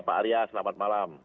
pak arya selamat malam